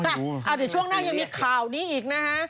เดี๋ยวช่วงหน้ายังมีข่าวนี้อีกนะฮะ